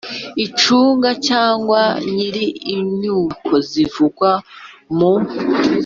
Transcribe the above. Ucunga cyangwa nyir inyubako zivugwa mu